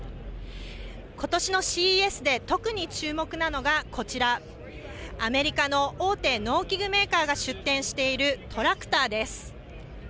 ことしのＣＥＳで特に注目なのがこちら、アメリカの大手農機具メーカーが出展しているトラクターです。